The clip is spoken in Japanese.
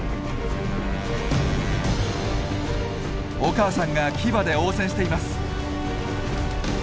お母さんが牙で応戦しています。